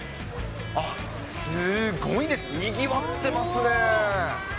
ああ、すごいです、にぎわってますね。